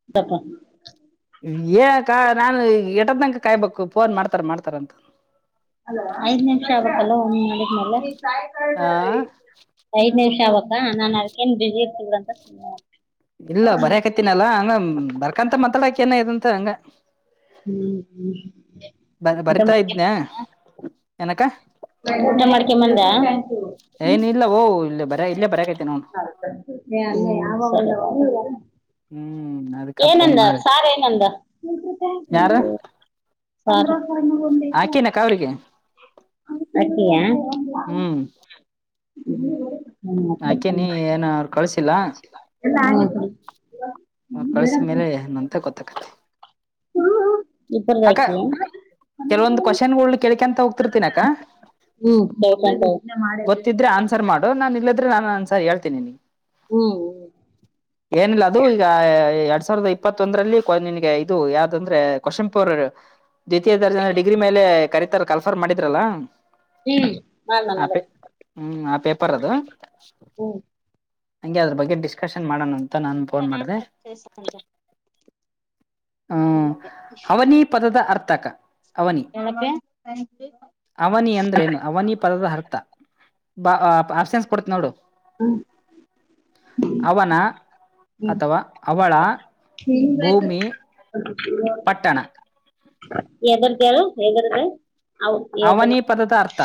[inaudible] ಏ ಕ ನಾನ ಎಟ್ಟೋತನಕ ಕಾಯ್ಬೇಕು ಫೋನ್ ಮಾಡ್ತಾರ ಮಾಡ್ತಾರ ಅಂತ. ಅ ಐದ್ ನಿಮಿಷ ಆಗತ್ತಲ್ಲ ಆ [unintelligible] ಐದ್ ನಿಮಿಷ ಆಗುತ್ತ ನಾನ್ ಅದಕೇನ ಬಿಜಿ ಇರ್ತೀವ್ರ ಅಂತ ಸುಮ್ನ ಇಲ್ಲ ಬರಕತ್ತಿನಲ್ಲ ಹಂಗ ಬರ್ಕಂತ ಮಾತಾಡಕೆ ಏನ ಇದ ಅಂತ ಹಂಗ ಹ್ಮ ಹ್ಮ. ಬ ಬರಿತಾ ಇದ್ನ ಏನಕ್ಕ. ಊಟ ಮಾಡ್ಕ ಬಂದ. ಏನಿಲ್ಲ ಓ ಇಲ್ಲೇ ಬ [unintelligible] ಹ್ಮ ನ ಏನಂದ ಸಾರ್ ಏನಂದ ಯಾರ [unintelligible] ಸಾರ್ [unintelligible] ಹಾಕಿನಕ್ಕ ಅವ್ರಿಗೆ ಹ್ಮ್ ಹಾಕಿನಿ ಏನ ಅವ್ರು ಕಳ್ಸಿಲ್ಲ [unintelligible] ಅವ ಕಳಸಿದ ಮೇಲೆ ಅಂತ ಗೊತ್ತಾಗತ. ಹ್ಮ. ಅಕ್ಕ ಕೆಲವೊಂದ ಕ್ವಷನ್ ಗೋಳ ಕೇಳಕಂತ ಹೋಗ್ತಿರ್ತೀನ ಅಕ್ಕ. ಹ್ಮ್ ಕೇಳ್ಕೊಂತ ಹೋಗ. ಗೊತ್ತಿದ್ರ ಆನ್ಸರ್ ಮಾಡು ನಾನ್ ಇಲ್ಲದ್ರ ನಾನ ಆನ್ಸರ್ ಹೇಳ್ತೀನಿ ನೀ. ಹ್ಮ. ಏನಿಲ್ಲ ಅದು ಈಗ ಎರಡ್ ಸಾವಿರದ ಇಪ್ಪತ್ತೊಂದರಲ್ಲಿ ಕ ನಿನ್ಗೆ ಇದು ಯಾವ್ದಂದ್ರೆ ಕಶೆಂಪುರ್. ದ್ವಿತೀಯ ದರ್ಜ ಅಂದ್ರೆ ಡಿಗ್ರಿ ಮೆಲೆ ಕರಿತಾರ ಕಾಲನ್ಫರ್ಮ್ ಮಾಡಿದ್ರಲ್ಲಾ. ಹ್ಮ. ಆಪೇ ಹ್ಮ ಆ ಪೇಪರ್ ಅದು. ಹ್ಮ್ ಹಂಗೆ ಅದ್ರ ಬಗ್ಗೆ ಡಿಸ್ಕಷನ್ ಮಾಡೋಣ ಅಂತ ನಾನ ಫೋನ್ ನಾನ್ ಮಾಡದೆ. ಸಂತಂತ ಹ್ಮ ಅವನಿ ಪದದ ಅರ್ಥಕ. ಅವನಿ ಎನಕ್ಕೆ ಅವನಿ ಅಂದ್ರ ಏನ ಅವನಿ ಪದದ ಅರ್ಥ ಬ ಅಪ್ಸನ್ಸ್ ಕೊಡ್ತ ನೋಡು. ಹ್ಮ. ಅವನ ಅಥವಾ ಅವಳ ಭೂಮಿ ಪಟ್ಟಣ. ಎದರ್ದ ಹೇಳು ಎದರದೇ. ಅವನಿ ಪದದ ಅರ್ಥ.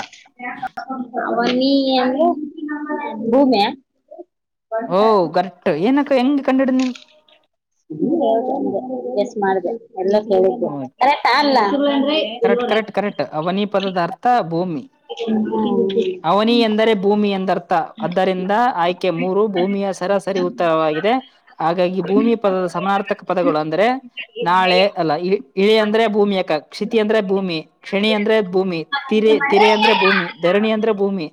ಅವನಿ ಅಂದ್ರೆ ಭೂಮ್ಯಾ. ಓ ಕರೆಟ್ ಏನಕ್ಕ ಹೆಂಗ ಕಂಡಿಡ ನೀನ್ ಹ್ಮ ಗೆಸ್ ಮಾಡ್ದ ಎಲ್ಲ ಕೇಳಿದ್ದ ನೀನ್ ಕರೆಕ್ಟ್ ಅಲ್ಲ [unintelligible] [unintelligible] ಕರೆಕ್ಟ್ ಕರೆಕ್ಟ್ ಕರೆಕ್ಟ್ ಅವನಿ ಪದಾರ್ಥ ಭೂಮಿ [unintelligible] ಹ ಹೌದು ಧನಿ ಎಂದರೆ ಭೂಮಿ ಎಂದರ್ಥ ಆದ್ದರಿಂದ ಆಯ್ಕೆ ಮೂರು ಭೂಮಿಯ ಸರಾಸರಿ ಉತ್ತರವಾಗಿದೆ ಹಾಗಾಗಿ ಭೂಮಿ ಪದದ ಸಮನಾರ್ಥಕ ಪದಗಳು ಅಂದ್ರೆ ನಾಳೆ ಅಲ್ಲ ಇ ಇಳಿ ಅಂದ್ರೆ ಭೂಮಿ ಯಾಕ ಕ್ಷಿತಿ ಅಂದ್ರೆ ಭೂಮಿ ಕ್ಷಣಿ ಅಂದ್ರೆ ಭೂಮಿ ತೀರೆ ತೀರೆ ಅಂದ್ರೆ ಭೂಮಿ ಧರಣಿ ಅಂದ್ರೆ [unintelligible] ಆದ್ರೆ ಭೂಮಿ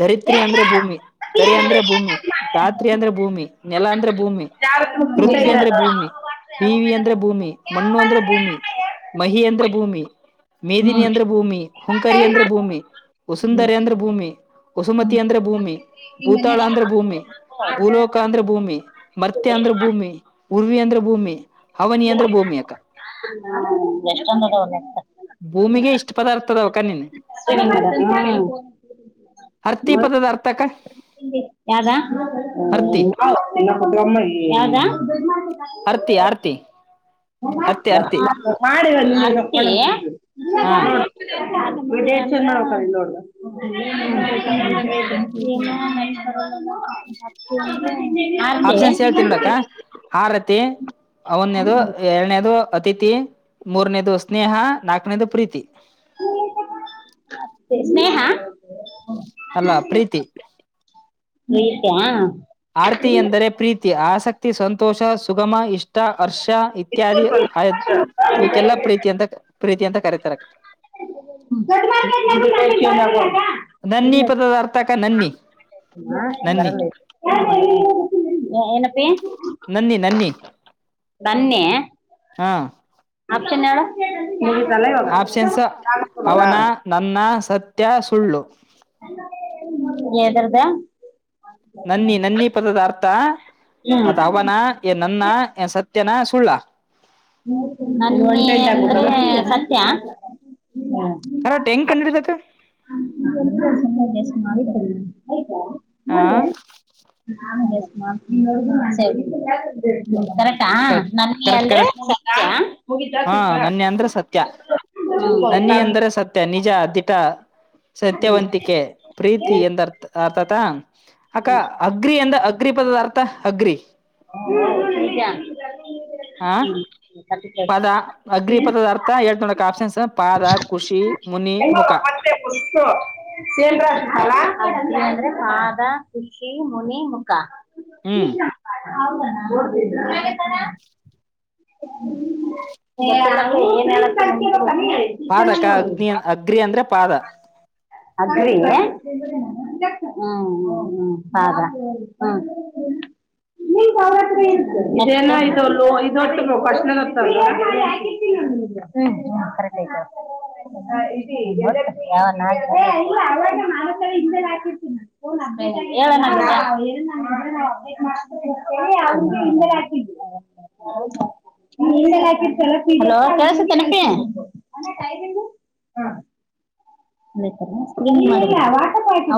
ಧರಿತ್ರಿ ಅಂದ್ರೆ ಭೂಮಿ ಧರೆ ಅಂದ್ರೆ ಭೂಮಿ ಧಾತ್ರಿ ಅಂದ್ರೆ ಭೂಮಿ ನೆಲ ಅಂದ್ರೆ ಭೂಮಿ ಪೃಥ್ವಿ ಅಂದ್ರೆ ಭೂಮಿ ಬೀವಿ ಅಂದ್ರೆ ಭೂಮಿ ಮಣ್ಣು ಅಂದ್ರ ಭೂಮಿ ಮಹಿ ಅಂದ್ರೆ ಭೂಮಿ ಮೇದಿನ ಅಂದ್ರೆ ಭೂಮಿ ಹುಂಕರಿ ಅಂದ್ರೆ ಭೂಮಿ ಸುಂದರ ಅಂದ್ರ ಭೂಮಿ ವಸುಮತಿ ಅಂದ್ರ ಭೂಮಿ ಈ ಭೂತಾಳ ಮನ್ಯಾಗ ಅಂದ್ರ ಭೂಮಿ ಆರ್ ಜನ ಭೂಲೋಕಾ ಅಂಧ್ರ ಭೂಮಿ ಮರ್ತ್ಯಾ ಅಂದ್ರ ಇದಾರ. ಭೂಮಿ ಉರ್ವಿ ಅಂದ್ರ ಭೂಮಿ ಹವನಿ ಅಂದ್ರ ಭೂಮಿ ಅಕ ಹ್ಮ್ ಎಷ್ಟೊಂದ ಅದಾವ ಲೆಕ್ಕ ಭೂಮಿಗೆ ಇಷ್ಟ ಪದಾರ್ಥದವ ಅಕ್ಕಾ ನಿನ್ [unintelligible] [unintelligible] [unintelligible] ಹರ್ತಿ ಪದದ ಅರ್ಥ ಅಕ್ಕ ಯಾವ್ದ್ [unintelligible] ಹರ್ತಿ [unintelligible] [unintelligible] [unintelligible] [unintelligible] ಆರ್ತಿ ಆರ್ತಿ ಹರ್ತಿ ಹರ್ತಿ ಮಾಡ [unintelligible] [unintelligible] ಹಾ ಇಡ ಚನ್ ಮಾಡ್ಬೇಕ ಇ [unintelligible] [unintelligible] ನೋಡ್್ದ [unintelligible] [unintelligible] ಮೈ ಬರ [unintelligible] [unintelligible] [unintelligible] [unintelligible] ಆರ್ತಿ ಆಪ್ಷನ್ಸ್ ಹೇಳ್ತೀನಿ ನೋಡಕ್ಕ ಆರತಿ ಅವನೇದು ಎರಡನೇದು ಅತಿಥಿ ಮೂರನೇದು ಸ್ನೇಹ ನಾಲ್ಕನೇದು ಪ್ರೀತಿ [unintelligible] ತ್ತ ಸ್ನೇಹ ಅಲ್ಲ ಪ್ರೀತಿ ನೀತಾ [unintelligible] ಆರ್ತಿ ಎಂದರೆ ಪ್ರೀತಿ ಆಸಕ್ತಿ ಸಂತೋಷ ಸುಗಮ ಇಷ್ಟ ಹರ್ಷ ಇತ್ಯಾದಿ ಆ ಇವ್ಕ್ಕೆಲ್ಲಾ ಪ್ರೀತಿ ಅಂತ ಪ್ರೀತಿ ಅಂತ ಕರೀತಾರೆ [unintelligible] [unintelligible] [unintelligible] ನನ್ನಿ ಇಲ್ಲ ಪದದ ಅರ್ಥಕ ನನ್ನಿ ನನ್ನಿ ಬರಲ್ಲಏ [unintelligible] [unintelligible] [unintelligible] [unintelligible] [unintelligible] ನನ್ನಿ ನನ್ನಿ ಬನ್ನೆ ಹಾ ಆಪ್ಷನ್ ಹೇಳು ಆಪ್ಷನ್ಸ್ ಅವನ [unintelligible] [unintelligible] ನನ್ನ ಸತ್ಯ ಸುಳ್ಳು [unintelligible] [unintelligible] ಎದ್ರದ ನನ್ನಿ ನನ್ನಿ ಪದದ ಅರ್ಥ ಹ್ಮ್ ಅದ ಅವನ ಏ ನನ್ನ ಎ ಸತ್ಯನ ಸುಳ್ಳ ನೆ [unintelligible] [unintelligible] ಸತ್ಯ [unintelligible] [unintelligible] [unintelligible] ಕಂಡಿರ್ತತೆ [unintelligible] [unintelligible] ಹಲ್ ಮಾಡಲ್ಲ ಆಯ್ತಾ ಹಾ ನೋಡ್ರೆ [unintelligible] [unintelligible] ಕರೆಟ್ ಆ ಕರೆಕ್ಟ್ ನನ್ನ ಕರೆಕ್ಟ್ [unintelligible] [unintelligible] ಕರೆಕ್ಟ್ ಹಾ ನನ್ನಿ ಅಂದ್ರೆ ಸತ್ಯ ನನ್ನಿ ಹೋಗ್ತಾ ಮಿ- ಅಂದ್ರೆ ಸತ್ಯ ತನಿಜ ದಿಟ ಸತ್ಯವಂತಿಕೆ ಪ್ರೀತಿ ಎಂದರ್ಥ್ ಅರ್ಥತ. ಅಕ್ಕ ಅಗ್ರಿ ಎಂದ ಅಗ್ರಿ ಪದದಾರ್ಥ ಅಗ್ರಿ. ಹ್ಮ ಹ ಹ್ಮ [unintelligible] ಪದ ಅಗ್ರಿ ಪದದ ಅರ್ಥ ಹೇಳ್ತಿನೋಡಕ್ಕ ಆಪ್ಷನ್ಸ್ ಪಾದ ಖುಷಿ ಮುನಿ ಮುಖ. [unintelligible] [unintelligible] ಅಗ್ರಿ ಅಂದ್ರೆ ಪಾದ ಖುಷಿ ಮುನಿ ಮುಖ. ಹ್ಮ್ ಹೌದಣ ನೊಡ್ [unintelligible] ಗೊತ್ತಿಲ್ಲ [unintelligible] ಪಾದಕ್ಕ ಅಗ್ನಿ ಅಗ್ರಿ ಅಂದ್ರ ಪಾದ. ಹ ಅಗ್ರೀ ಅಂದ್ರ ಹ್ಮ್ ಹ್ಮ್ ಹ್ಮ್ ಪಾದ ಹ್ಮ್. ಅವ್ರತ್ರ ಇ ಇದೇನ ಇದಲ್ಲ ಇದೊಟ್ಟ ಕಶ ಗೊತ್ತಲ್ [unintelligible] ಹ್ಮ ಹ ಕರೆಕ್ಟೈತ್ಯಾಳ [unintelligible] ಅ [unintelligible] ಹೇ ಇಲ್ಲ ಅವಾಗ ಮಾಡಿದ್ಮ್ಯಾಕ ಹಿಂದೆನೆ ಹಾಕಿರ್ತೀನಿ. ಹ ಹೇಳ [unintelligible] [unintelligible] ಎಲಿ ಹಂಗೆ ಹಿಂದೆನೆ ಹಾಕಿದಿನಿ. [unintelligible] ಹಲೋ ಕೆೇಳ್ಸತ್ತೇನಪ್ಪಿ. [unintelligible] ಅದತ ಇಲ್ಲಿಲ್ಲ ವಾಟ್ಸಪ್